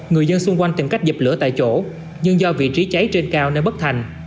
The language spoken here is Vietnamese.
người dân xung quanh tìm cách dập lửa tại chỗ nhưng do vị trí cháy trên cao nên bất thành